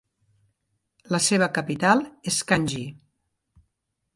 La seva capital és Kanggye.